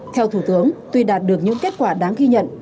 theo thủ tướng tuy đạt được những kết quả đáng ghi nhận